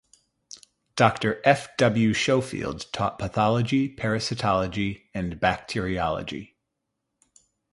Doctor F. W. Schofield taught pathology, parasitology and bacteriology.